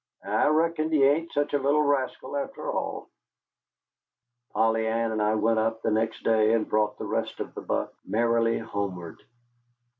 I reckon he ain't sich a little rascal after all." Polly Ann and I went up the next day, and brought the rest of the buck merrily homeward.